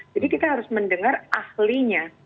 jadi kita harus mendengar ahlinya